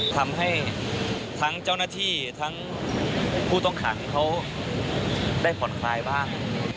ทำให้ทั้งเจ้าหน้าที่ทั้งผู้ต้องขังเขาได้ผ่อนคลายบ้าง